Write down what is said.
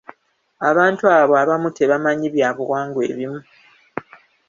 Abantu abato abamu tebamanyi byabuwangwa ebimu.